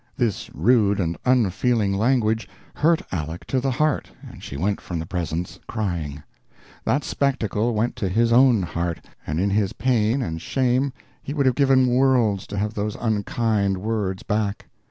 This rude and unfeeling language hurt Aleck to the heart, and she went from the presence crying. That spectacle went to his own heart, and in his pain and shame he would have given worlds to have those unkind words back.